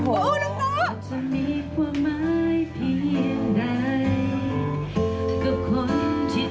โอ้โหโดนตัว